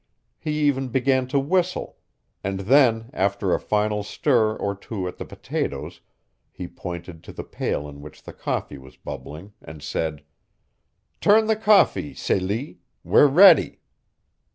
He even began to whistle; and then, after a final stir or two at the potatoes, he pointed to the pail in which the coffee was bubbling, and said: "Turn the coffee, Celie. We're ready!"